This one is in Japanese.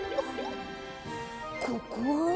ここは？